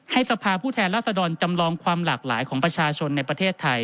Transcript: สภาพผู้แทนรัศดรจำลองความหลากหลายของประชาชนในประเทศไทย